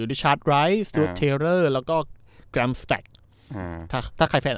หรือชาร์จร้ายสตรูทเทรอร์แล้วก็แกรมสแตคอืมถ้าถ้าใครแฟน